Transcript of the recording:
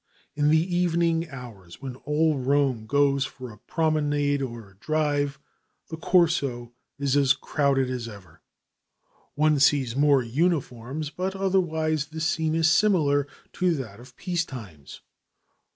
In the evening hours, when all Rome goes for a promenade or a drive, the Corso is as crowded as ever. One sees more uniforms, but otherwise the scene is similar to that of peace times.